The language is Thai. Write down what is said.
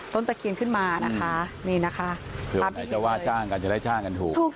ต้นตะเคียยงขึ้นมานะคะนี่นะคะจะว่าจ้างกันจะได้จ้างคือถูก